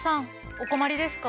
お困りですか？